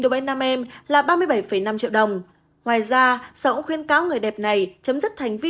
đối với nam em là ba mươi bảy năm triệu đồng ngoài ra xã hội khuyên cáo người đẹp này chấm dứt thành vi